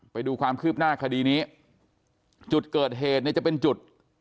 ไปดูความคืบหน้าคดีนี้จุดเกิดเหตุเนี่ยจะเป็นจุด